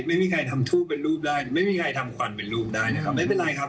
ไม่มีใครทำทูปเป็นรูปได้ไม่มีใครทำควันเป็นรูปได้นะครับไม่เป็นไรครับ